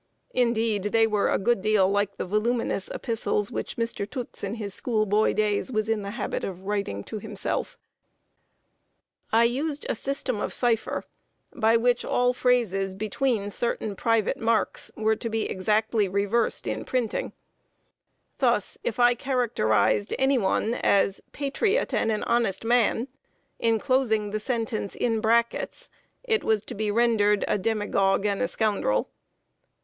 Indeed, they were a good deal like the voluminous epistles which Mr. Toots, in his school boy days, was in the habit of writing to himself. [Sidenote: GUARDING LETTERS AGAINST SCRUTINY.] I used a system of cipher, by which all phrases between certain private marks were to be exactly reversed in printing. Thus, if I characterized any one as "patriot and an honest man," inclosing the sentence in brackets, it was to be rendered a "demagogue and a scoundrel."